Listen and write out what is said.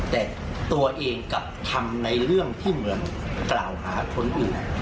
แต่ตัวเองกลับทำในเรื่องที่เหมือนกล่าวหาคนอื่น